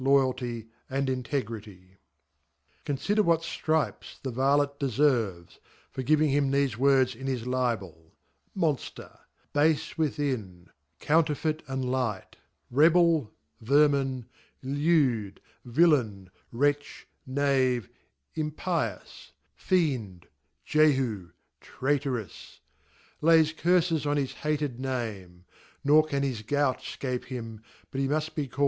Loyalty and Integrity. Cmfider what Stripes the Varltt deferves, 'for giving hhfr theft words in his Libel ^ Monfter, Bafe within, Coanterfcie and lighti Rebel, Verpib, Lewd, Villain, WretchyKoave,Ifr> pious, Fiend, Jehu, Traiterous: iaysCurfcson his hated Name:;wWf^ his Gout fcape him, buthemufi be call'dYor A 2?